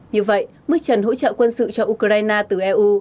như vậy mức trần hỗ trợ quân sự cho ukraine từ eu